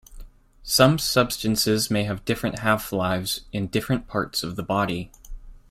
Some substances may have different half-lives in different parts of the body.